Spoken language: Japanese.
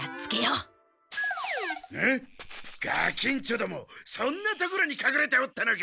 ガキんちょどもそんなところに隠れておったのか。